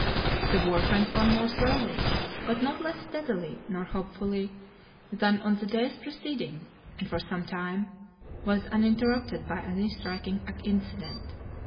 The work went on more slowly, but not less steadily nor hopefully than on the days preceding, and, for some time, was uninterrupted by any striking incident.